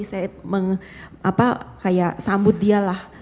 saya kayak sambut dialah